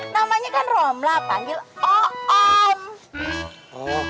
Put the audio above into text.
namanya kan romlah panggil om